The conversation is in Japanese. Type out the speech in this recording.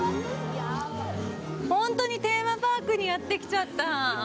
本当にテーマパークにやってきちゃった。